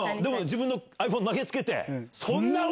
自分のｉＰｈｏｎｅ投げ付けて。